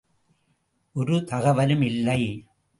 ஒரு தகவலும் இல்லை.